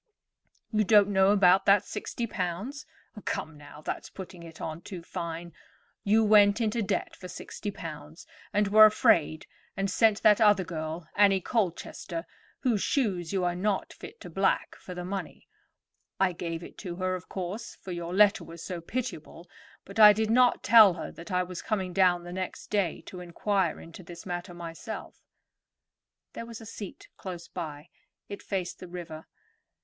"You don't know about that sixty pounds. Come, now, that's putting it on too fine. You went into debt for sixty pounds, and were afraid, and sent that other girl, Annie Colchester, whose shoes you are not fit to black, for the money. I gave it to her, of course, for your letter was so pitiable; but I did not tell her that I was coming down the next day to inquire into this matter myself." There was a seat close by; it faced the river.